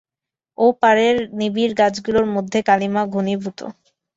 ও পারের নিবিড় গাছগুলির মধ্যে কালিমা ঘনীভূত।